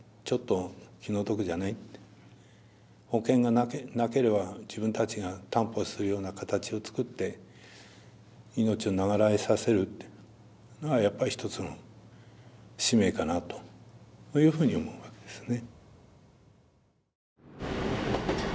保険がなければ自分たちが担保するような形を作って命を長らえさせるというのがやっぱり一つの使命かなというふうに思うわけですね。